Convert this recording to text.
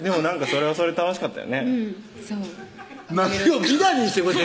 「それはそれで楽しかったよね」